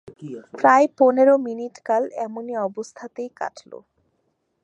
প্রায় পনেরো মিনিটকাল এমনি অবস্থাতেই কাটল।